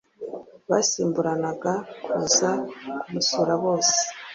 basimburanaga kuza kumusura bose